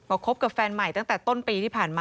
คบกับแฟนใหม่ตั้งแต่ต้นปีที่ผ่านมา